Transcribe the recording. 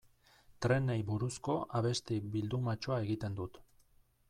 Trenei buruzko abesti bildumatxoa egiten dut.